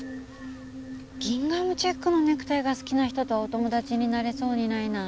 ギンガムチェックのネクタイが好きな人とはお友達になれそうにないなぁ。